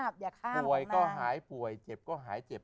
ปวดก็หายปวดเจ็บก็หายเจ็บ